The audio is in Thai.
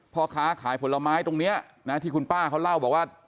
พ่อค้าขายผลไม้ตรงนี้นะที่คุณป้าเขาเล่าบอกว่า